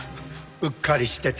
うっかりしてた。